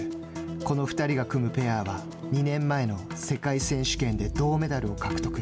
この２人が組むペアは２年前の世界選手権で銅メダルを獲得。